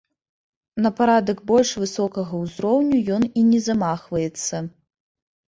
На парадак больш высокага ўзроўню ён і не замахваецца.